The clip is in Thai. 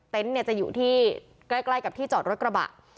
เต็นต์เนี่ยจะอยู่ที่ใกล้ใกล้กับที่จอดรถกระบะ